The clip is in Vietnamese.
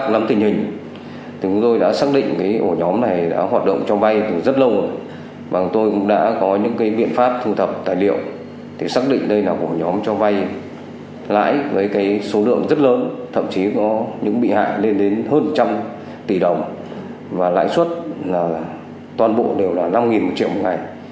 lãi với số lượng rất lớn thậm chí có những bị hại lên đến hơn một trăm linh tỷ đồng và lãi suất toàn bộ đều là năm triệu một ngày